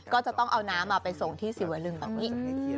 ก็จะต้องเอาน้ำไปส่งที่สิวลึงแบบนี้